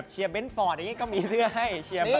เชียร์เบนฟอร์ดอย่างนี้ก็มีเสื้อให้